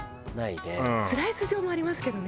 スライス状もありますけどね。